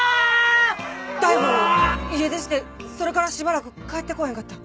大五郎家出してそれからしばらく帰ってこおへんかった。